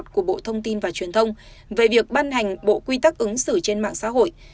của bộ thông tin và truyền thông về việc ban hành bộ quy tắc ứng xử trên mạng xã hội